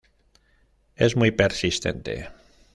Es muy persistente.